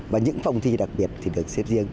và những phòng thi đặc biệt thì được xếp riêng